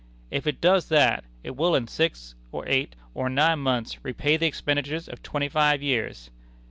If it does that, it will in six or eight or nine months repay the expenditures of twenty five years.